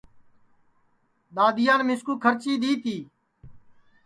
دؔادؔیان مِسکُوکھرچی دؔی تی